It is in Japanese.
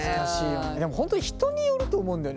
でも本当に人によると思うんだよね。